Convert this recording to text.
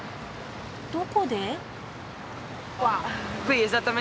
どこで？